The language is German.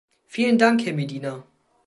Vielen Dank, Herr Medina.